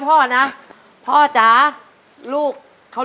สวัสดีครับ